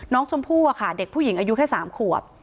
น้องชมพู่อะค่ะเด็กผู้หญิงอายุแค่๓ขวบ